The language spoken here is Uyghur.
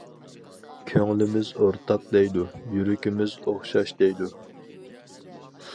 كۆڭلىمىز ئورتاق دەيدۇ، يۈرىكىمىز ئوخشاش دەيدۇ.